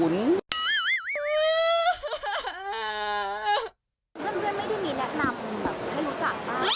เพื่อนไม่ได้มีแนะนำแบบให้รู้จักมาก